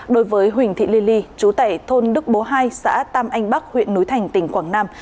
đối với huỳnh thị ly ly ly chú tệ thôn đức bố hai xã tam anh bắc huyện núi thành tỉnh quảng nam